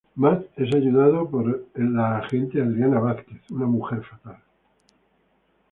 Matt es ayudado por la agente Adriana Vasquez, una mujer fatal.